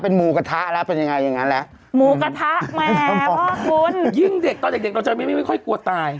เป็นหมูกระทะแล้วเป็นยังไงอย่างนั้นแล้วหมูกระทะมาแล้วคุณยิ่งเด็กตอนเด็กเด็กเราจะไม่ไม่ค่อยกลัวตาย